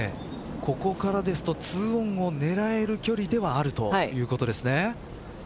ここからですと２オンを狙える距離ではあるということですね。